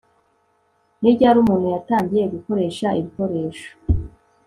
Ni ryari umuntu yatangiye gukoresha ibikoresho